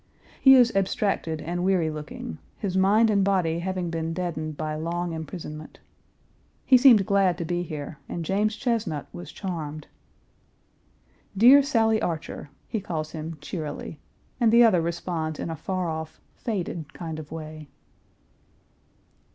He is abstracted and weary looking, his mind and body having been deadened by long imprisonment. He seemed glad to be here, and James Chesnut was charmed. "Dear Sally Archer," he calls him cheerily, and the other responds in a far off, faded kind of way.